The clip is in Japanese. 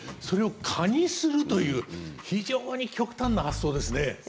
それを蚊にするという非常に極端な発想ですね。